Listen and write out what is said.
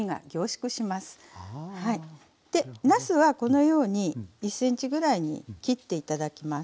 なすはこのように１ｃｍぐらいに切って頂きます。